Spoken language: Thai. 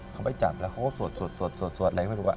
เขาไปจับแล้วเขาก็สวดอะไรไม่รู้